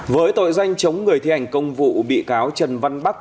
với tội danh chống người thi hành công vụ bị cáo trần văn bắc